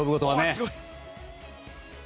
すごい。